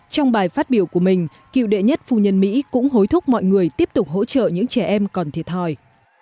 trong bài phát biểu của mình cựu đệ nhất phu nhân mỹ cũng hối thúc mọi người tiếp tục hỗ trợ những trẻ em còn thiệt thòi